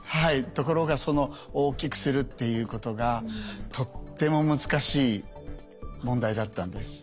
ところがその大きくするっていうことがとっても難しい問題だったんです。